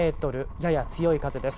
やや強い風です。